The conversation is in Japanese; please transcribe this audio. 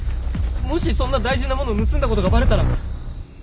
もしそんな大事なもの盗んだことがバレたら。